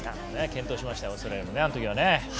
健闘しましたオーストラリアもあの時は。